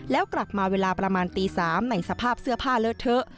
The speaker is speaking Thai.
แล้วกลับมาเวลาประมาณตี๓ในสภาพเสื้อผ้าเลอะเทอะ